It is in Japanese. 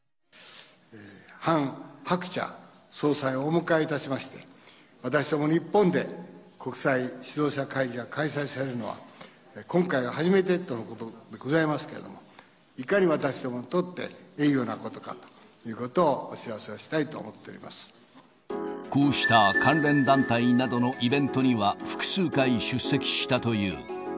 ハン・ハクチャ総裁をお迎えいたしまして、私ども日本で国際指導者会議が開催されるのは、今回が初めてということでございますけれども、いかに私どもにとって栄誉なことかということをお知らせをしたいこうした関連団体などのイベントには複数回、出席したという。